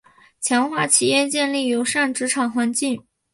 强化企业建立友善职场环境